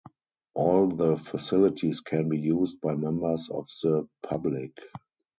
All the facilities can be used by members of the public.